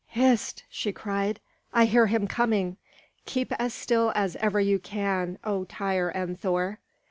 "Hist!" she cried. "I hear him coming. Keep as still as ever you can, O Tŷr and Thor!"